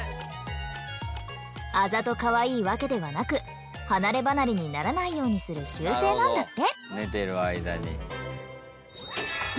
あざとかわいいわけではなく離れ離れにならないようにする習性なんだって。